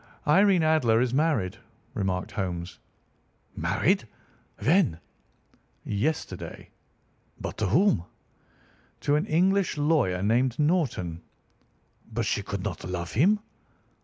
"Irene Adler is married," remarked Holmes. "Married! When?" "Yesterday." "But to whom?" "To an English lawyer named Norton." "But she could not love him."